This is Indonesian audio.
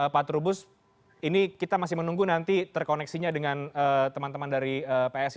pak trubus ini kita masih menunggu nanti terkoneksinya dengan teman teman dari psi